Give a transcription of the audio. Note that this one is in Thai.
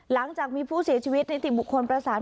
หลังจากมีผู้เสียชีวิตนิติบุคคลประสาน